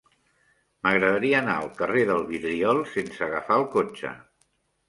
M'agradaria anar al carrer del Vidriol sense agafar el cotxe.